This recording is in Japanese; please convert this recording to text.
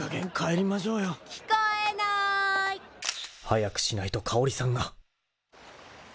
［早くしないと香織さんが］